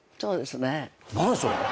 何やそれ。